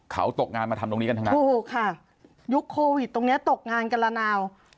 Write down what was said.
เขาตกงานมาทำตรงนี้กันทั้งนั้นถูกค่ะยุคโควิดตรงเนี้ยตกงานกันละนาว